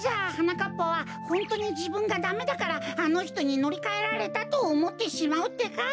かっぱはホントにじぶんがダメだからあのひとにのりかえられたとおもってしまうってか。